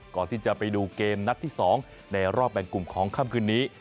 ก่อนที่จะไปดูเกมนัดที่๒ในรอบแบ่งกลุ่มของค่ำคืนนี้